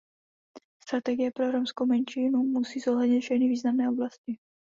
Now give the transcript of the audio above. Strategie pro romskou menšinu musí zohlednit všechny významné oblasti.